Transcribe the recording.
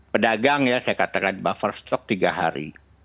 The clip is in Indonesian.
pedagang ya saya katakan buffer stok tiga hari